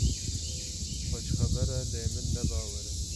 Xweş xeber e, lê min ne bawer e.